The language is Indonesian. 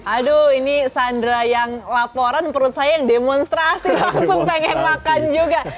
aduh ini sandra yang laporan perut saya yang demonstrasi langsung pengen makan juga